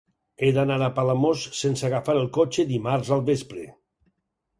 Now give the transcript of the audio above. He d'anar a Palamós sense agafar el cotxe dimarts al vespre.